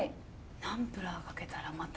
ナンプラーかけたらまた。